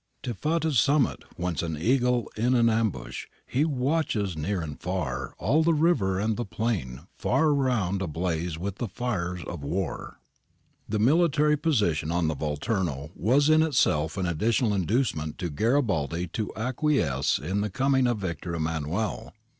Tifata's summit, whence, an eagle in ambush, he watches near and far all the river and the plain far around ablaze with the fires of war.' The military position on the Volturno was in itself an additional inducement to Garibaldi to acquiesce in the coming of Victor Emmanuel.